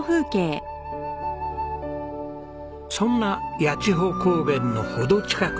そんな八千穂高原の程近く